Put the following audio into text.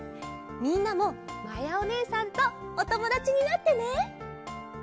みんなもまやおねえさんとおともだちになってね。